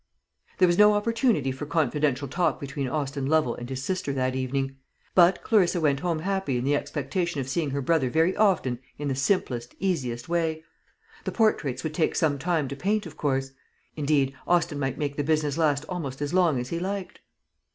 There was no opportunity for confidential talk between Austin Lovel and his sister that evening; but Clarissa went home happy in the expectation of seeing her brother very often in the simplest, easiest way. The portraits would take some time to paint, of course; indeed Austin might make the business last almost as long as he liked.